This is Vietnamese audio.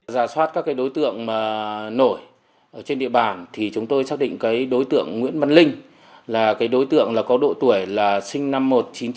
giả soát các đối tượng nổi trên địa bàn thì chúng tôi xác định đối tượng nguyễn văn linh là đối tượng có độ tuổi là sinh năm một nghìn chín trăm chín mươi